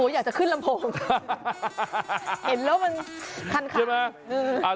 อยากจะขึ้นลำโพงเห็นแล้วมันคัน